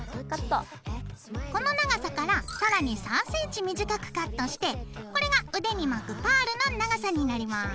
この長さから更に３ｃｍ短くカットしてこれが腕に巻くパールの長さになります。